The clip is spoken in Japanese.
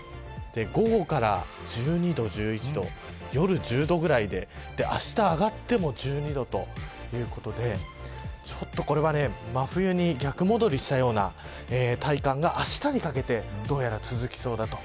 午後から１２度、１１度夜は１０度くらいであした上がっても１２度ということでちょっとこれは真冬に逆戻りしたような体感が、あしたにかけてどうやら続きそうだと。